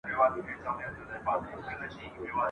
آیا غازیان تږي او ستړي ول؟